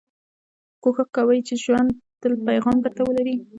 کوښښ کوئ، چي ژوند تل پیغام در ته ولري.